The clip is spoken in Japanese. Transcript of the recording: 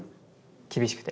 厳しくて。